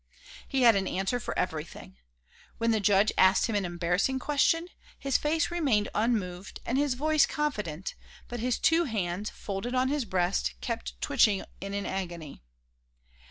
He had an answer for everything. When the judge asked him an embarrassing question, his face remained unmoved and his voice confident, but his two hands, folded on his breast, kept twitching in an agony.